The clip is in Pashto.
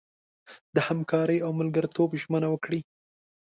د همکارۍ او ملګرتوب ژمنه وکړي.